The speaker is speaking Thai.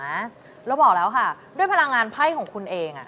แล้วบอกแล้วค่ะด้วยพลังงานไพ่ของคุณเอง